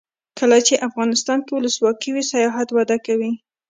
کله چې افغانستان کې ولسواکي وي سیاحت وده کوي.